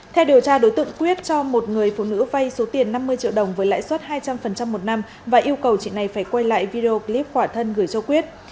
theo điều tra đối tượng quyết cho một người phụ nữ vay số tiền năm mươi triệu đồng với lãi suất hai trăm linh một năm và yêu cầu chị này phải quay lại video clip khỏa thân gửi cho quyết